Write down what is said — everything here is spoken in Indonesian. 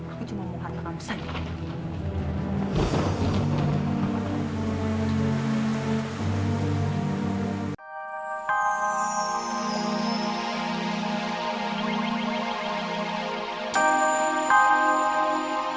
aku cuma mau harga kamu sendiri